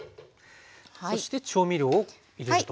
そして調味料を入れると。